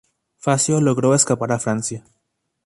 Facio logró escapar a Francia.